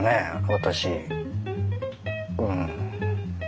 私うん。